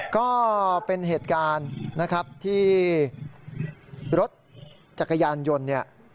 ก็เป็นเหตุการณ์นะครับที่รถจักรยานยนต์เนี่ย